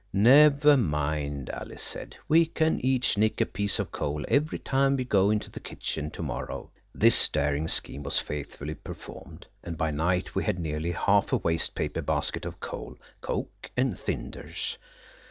"Never mind," Alice said. "We can each nick a piece of coal every time we go into the kitchen to morrow." This daring scheme was faithfully performed, and by night we had nearly half a waste paper basket of coal, coke, and cinders.